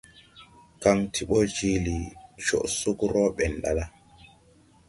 Kaŋ ti ɓɔ jiili coʼ sug rɔɔ ɓɛn ɗala.